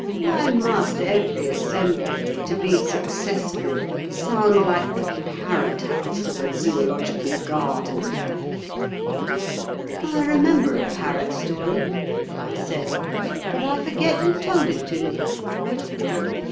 Why must every assembly to be successful sound like the parrot house of a zoological garden?" "I remember a parrot story," I said, "but I forget who told it to me."